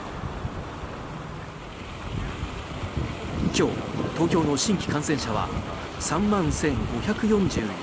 今日、東京の新規感染者は３万１５４１人。